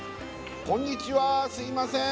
こんにちはすいません